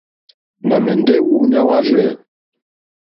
Nà mɛ̀ndɛ́ wúǔɲá wârzɛ̂.